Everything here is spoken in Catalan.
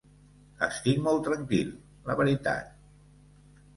Estic molt tranquil, la veritat.